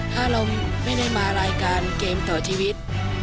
ถ้าเราไม่ได้มารายการเกมต่อชีวิต